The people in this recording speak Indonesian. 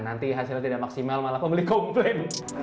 nanti hasilnya tidak maksimal malah pembeli komplain